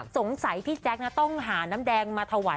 สงสัยพี่แจ๊คต้องหาน้ำแดงมาถวาย